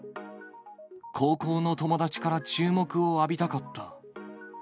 高校の友達から注目を浴びたかった。